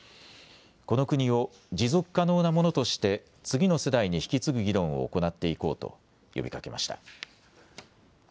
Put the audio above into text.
この国を持続可能なものとして次の世代に引き継ぐ議論を行っていこうと呼びかけました。